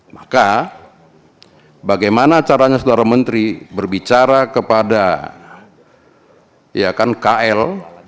maka bagaimana caranya saudara menteri berbicara kepada kl